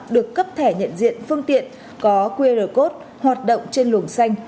được cấp thẻ nhận diện phương tiện có qr code hoạt động trên luồng xanh